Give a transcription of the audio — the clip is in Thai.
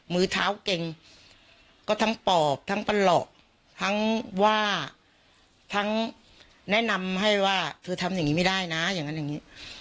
มือเท้าเก่งก็ทั้งปอบทั้งประหลอกทั้งว่าทั้งแนะนำให้ว่าเธอทำอย่างนี้ไม่ได้นะอย่างนั้นอย่างนี้